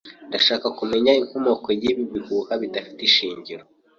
Ndashaka kumenya inkomoko yibi bihuha bidafite ishingiro.